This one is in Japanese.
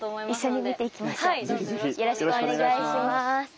よろしくお願いします！